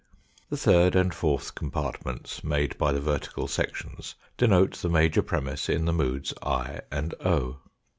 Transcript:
The third and fourth compartments made by the vertical sections denote the major premiss in the moods i and o.